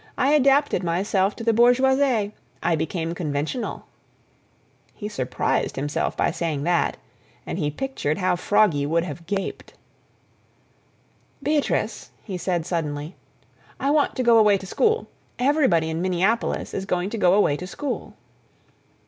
I adapted myself to the bourgeoisie. I became conventional." He surprised himself by saying that, and he pictured how Froggy would have gaped. "Beatrice," he said suddenly, "I want to go away to school. Everybody in Minneapolis is going to go away to school." Beatrice showed some alarm.